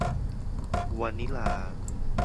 วานิลลา